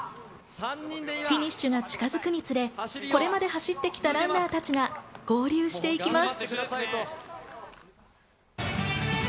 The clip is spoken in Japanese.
フィニッシュが近づくにつれ、これまで走ってきたランナーたちが合流していきます。